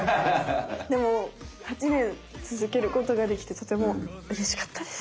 でも８ねんつづけることができてとてもうれしかったです。